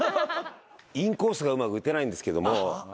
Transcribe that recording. インコースがうまく打てないんですけども。